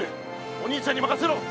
お兄ちゃんにまかせろ！